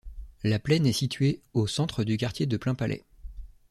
La plaine est située au centre du quartier de Plainpalais.